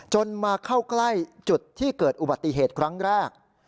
มาเข้าใกล้จุดที่เกิดอุบัติเหตุครั้งแรก